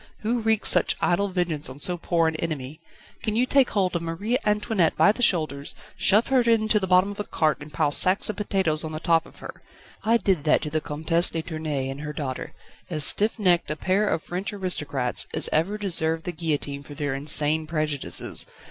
who wreaks such idle vengeance on so poor an enemy? Can you take hold of Marie Antoinette by the shoulders, shove her into the bottom of a cart and pile sacks of potatoes on the top of her? I did that to the Comtesse de Tournai and her daughter, as stiff necked a pair of French aristocrats as ever deserved the guillotine for their insane prejudices.